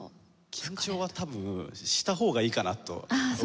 緊張は多分した方がいいかなと僕は思ってて。